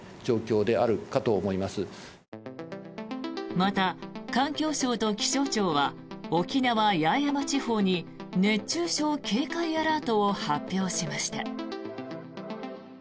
また、環境省と気象庁は沖縄・八重山地方に熱中症警戒アラートを発表しました。